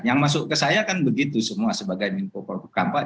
yang masuk ke saya kan begitu semua sebagai menko polkampany